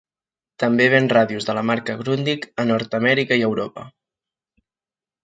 També ven ràdios de la marca Grundig a Nord-Amèrica i a Europa.